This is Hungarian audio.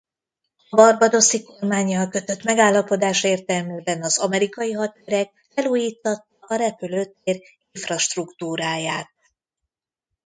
A barbadosi kormánnyal kötött megállapodás értelmében az amerikai hadsereg felújíttatta a repülőtér infrastruktúráját.